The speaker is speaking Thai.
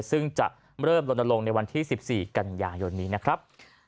ซึ่งจะเริ่มลนลงในวันที่๑๔กันยายนนี้นะครับ